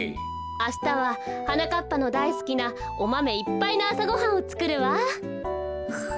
あしたははなかっぱのだいすきなおマメいっぱいのあさごはんをつくるわ。